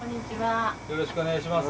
よろしくお願いします。